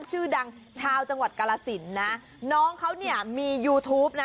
ชื่อดังชาวจังหวัดกาลสินนะน้องเขาเนี่ยมียูทูปนะ